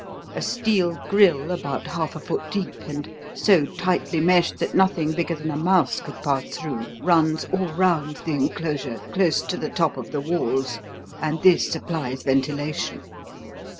A steel grille about half a foot deep, and so tightly meshed that nothing bigger than a mouse could pass through, runs all round the enclosure close to the top of the walls, and this supplies ventilation.